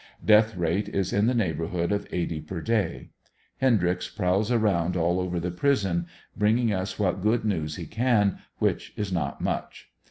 Death rate is in the neighborhood of eighty per day. Hendryx prowls around all over the prison, bringing us what good news he can, which is not much.